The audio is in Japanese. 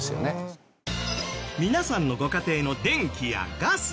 皆さんのご家庭の電気やガス。